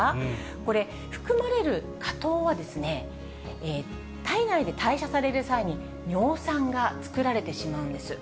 これ、含まれる果糖は、体内で代謝される際に尿酸が作られてしまうんです。